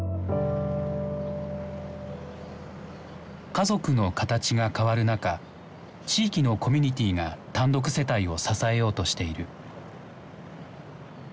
家族の形が変わる中地域のコミュニティーが単独世帯を支えようとしている。